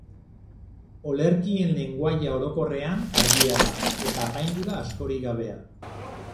Olerkien lengoaia orokorrean argia da, eta apaindura askorik gabea.